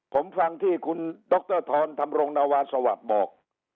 ผมฟังที่คุณดรธรธรรมรงนวาสวัสดิ์บอก